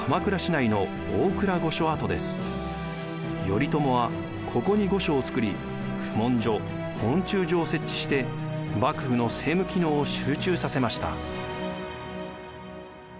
頼朝はここに御所を造り公文所問注所を設置して幕府の政務機能を集中させました。